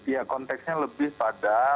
ya konteksnya lebih pada